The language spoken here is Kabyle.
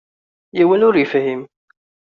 Yiwen ur yefhim.